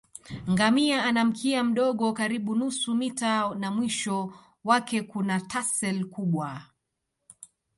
Ngamia ana mkia mdogo karibu nusu mita na mwisho wake kuna tassel kubwa